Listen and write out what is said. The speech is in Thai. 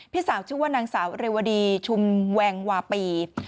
สาวชื่อว่านางสาวเรวดีชุมแวงวาปี